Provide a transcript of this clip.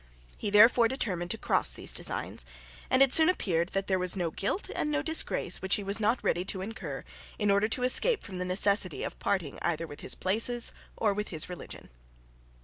He therefore determined to cross those designs; and it soon appeared that there was no guilt and no disgrace which he was not ready to incur, in order to escape from the necessity of parting either with his places or with his religion.